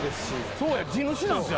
そうや地主なんすよ